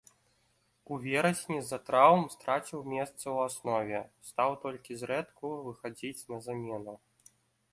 У верасні з-за траўм страціў месца ў аснове, стаў толькі зрэдку выхадзіць на замену.